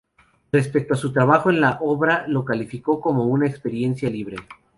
Respecto a su trabajo en la obra lo calificó como "una experiencia increíble".